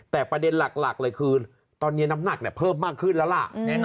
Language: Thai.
แต่ประเด็นหลักเลยคือตอนนี้น้ำหนักเพิ่มมากขึ้นแล้วล่ะ